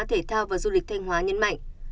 thể thao và du lịch thanh hóa nhân mạnh